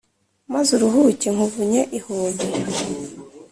maze uruhuke nkuvunye ihobe